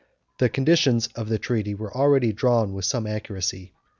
The conditions of the treaty were already drawn with some accuracy.